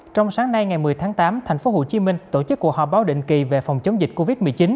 trong sáng nay ngày một mươi tháng tám thành phố hồ chí minh tổ chức cuộc họp báo định kỳ về phòng chống dịch covid một mươi chín